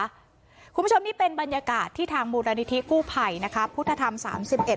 คุณผู้ชมนี่เป็นบรรยากาศที่ทางมูลนิธิกู้ภัยนะคะพุทธธรรมสามสิบเอ็